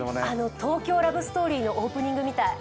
「東京ラブストーリー」のオープニングみたい。